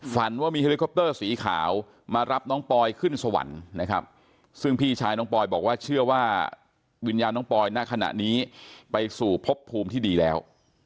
ฝันว่ามีเฮลิคอปเตอร์สีขาวมารับน้องปอยขึ้นสวรรค์นะครับซึ่งพี่ชายน้องปอยบอกว่าเชื่อว่าวิญญาณน้องปอยณขณะนี้ไปสู่พบภูมิที่ดีแล้ว